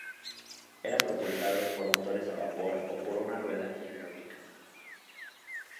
Eran propulsados por motores a vapor o por una rueda hidráulica.